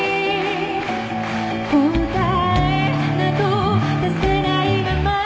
「答えなど出せないまま」